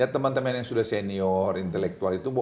teman teman yang sudah senior intelektual itu